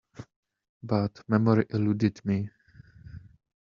But memory eluded me.